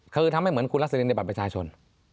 คือทำให้เหมือนคุณรัสลินในบัตรประชาชน